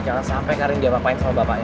jangan sampai karin dia papahin sama bapaknya